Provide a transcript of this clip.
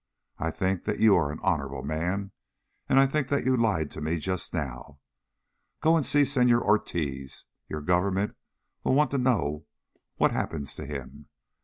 I think that you are an honorable man, and I think that you lied to me just now. Go and see Senor Ortiz. Your government will want to know what happens to him.